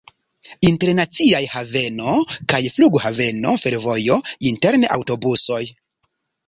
Internaciaj haveno kaj flughaveno, fervojo, interne aŭtobusoj.